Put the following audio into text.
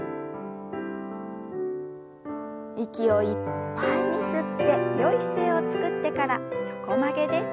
息をいっぱいに吸ってよい姿勢をつくってから横曲げです。